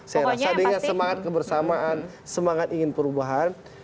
bersama dengan semangat kebersamaan semangat ingin perubahan